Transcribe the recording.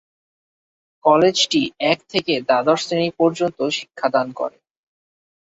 কলেজটি এক থেকে দ্বাদশ শ্রেণী পর্যন্ত শিক্ষাদান করে।